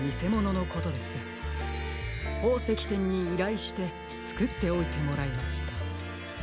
ほうせきてんにいらいしてつくっておいてもらいました。